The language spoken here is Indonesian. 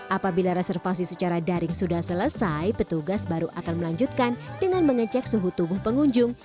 apabila reservasi secara daring sudah selesai petugas baru akan melanjutkan dengan mengecek suhu tubuh pengunjung